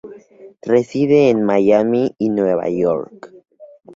Reside entre Miami y Nueva York.